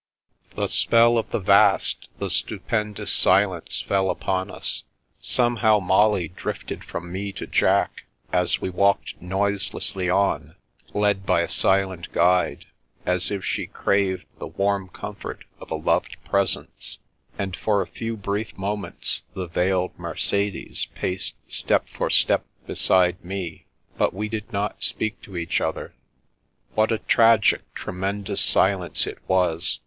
The spell of the vast, the stupendous silence fell upon us. Somehow, Molly drifted from me to Jack as we walked noiselessly on, led by a silent guide, as if she craved the warm comfort of a loved presence, and for a few brief moments the veiled Mercedes paced step for step beside me. But we did not speak to each other. What a tragic, tremendous silence it was